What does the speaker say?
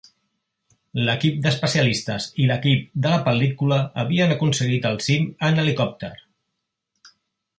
L'equip d'especialistes i l'equip de la pel·lícula havien aconseguit el cim en helicòpter.